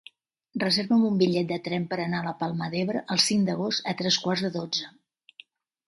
Reserva'm un bitllet de tren per anar a la Palma d'Ebre el cinc d'agost a tres quarts de dotze.